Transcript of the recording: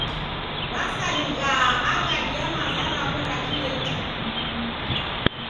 W'asarighaa aghadi ya maza raw'o ra kila ituku.